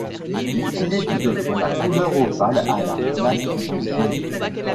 Il utilise toutefois la couleur opale à la place du jaune.